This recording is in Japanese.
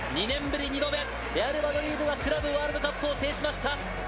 ２年ぶり２度目、レアル・マドリードがクラブワールドカップを制しました。